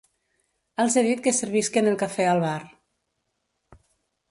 Els he dit que servisquen el café al bar.